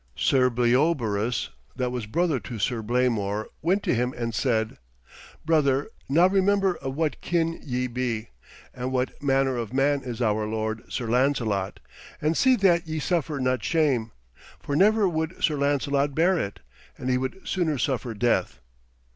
Sir Bleobaris, that was brother to Sir Blamor, went to him and said: 'Brother, now remember of what kin ye be, and what manner of man is our lord, Sir Lancelot, and see that ye suffer not shame. For never would Sir Lancelot bear it, and he would sooner suffer death.'